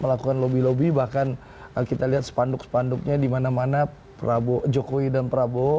melakukan lobi lobi bahkan kita lihat sepanduk sepanduknya dimana mana jokowi dan prabowo